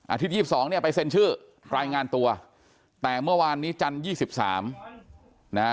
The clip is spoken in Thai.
อาทิตย์ยี่สิบสองเนี่ยไปเซ็นชื่อรายงานตัวแต่เมื่อวานนี้จันทร์ยี่สิบสามนะ